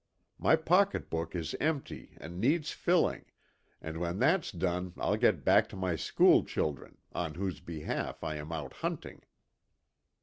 My pocketbook is empty and needs filling, and when that's done I'll get back to my school children, on whose behalf I am out hunting."